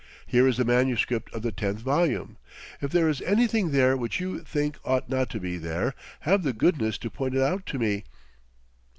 Here is the manuscript of the tenth volume. If there is anything there which you think ought not to be there, have the goodness to point it out to me."